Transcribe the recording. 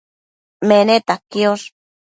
Meneta quiosh